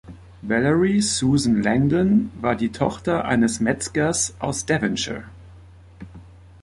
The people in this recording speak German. Valerie Susan Langdon war die Tochter eines Metzgers aus Devonshire.